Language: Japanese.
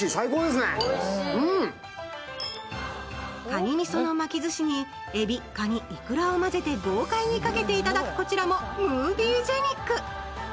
かにみその巻きずしに、エビ、カニ、いくらを混ぜて豪快にかけていただくこちらもムービージェニック。